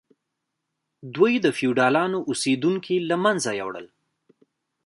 دوی د فیوډالانو اوسیدونکي له منځه یوړل.